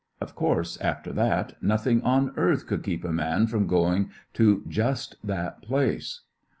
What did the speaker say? Of course, after that^ nothing on earth could keep a man from going to just that place.